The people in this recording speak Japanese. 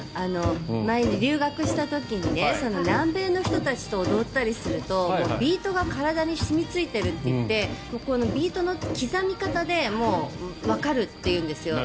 前に留学した時に南米の人たちと踊ったりするとビートが体に染みついているといってビートの刻み方でもうわかると言うんですよ。